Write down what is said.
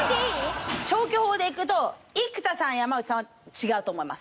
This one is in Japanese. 消去法でいくと生田さん山内さんは違うと思います。